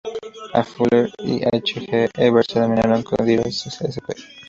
A. Fuller y H. G. Evers denominaron "Corydoras" sp.